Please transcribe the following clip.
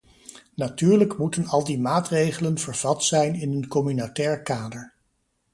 Natuurlijk moeten al die maatregelen vervat zijn in een communautair kader.